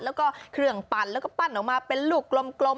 แล้วก็เครื่องปั่นแล้วก็ปั้นออกมาเป็นลูกกลม